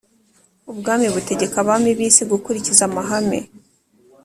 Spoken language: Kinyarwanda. ubwami butegeka abami bisi gukurikiza amahame